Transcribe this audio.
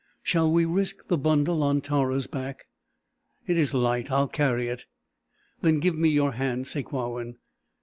Shall we risk the bundle on Tara's back?" "It is light. I will carry it." "Then give me your hand, Sakewawin."